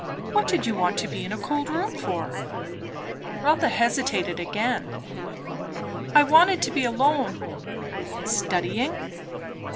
What did you want to be in a cold room for?" Rotha hesitated again. "I wanted to be alone." "Studying?"